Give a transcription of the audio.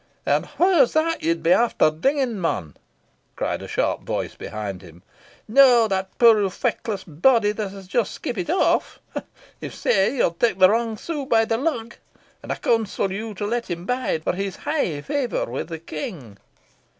"And wha's that ye'd be after dinging, man?" cried a sharp voice behind him. "No that puir feckless body that has jist skippit aff. If sae, ye'll tak the wrang soo by the lugg, and I counsel you to let him bide, for he's high i' favour wi' the King."